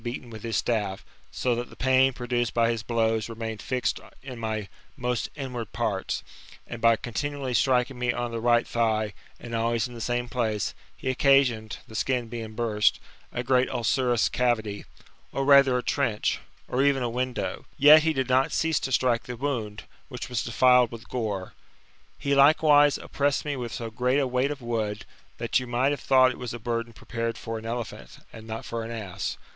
XI5 beaten with his staff, so that the pain produced by his blows remained fixed in my most inward (>arts : and by continually striking me on the right thigh, and always in the same place, he occasioned, the skin being burst, a great ulcerous cavity, or rather a trench, or even a window; yet he did not cease to strike the wound, which was defiled with gore. He likewise op pressed me with so great a weight of wood, that you might have thought it was a burden prepared for an elephant, and not for an ass.